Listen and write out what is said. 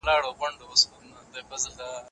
د دوی شخصي ژوند ته بايد درناوی وسي.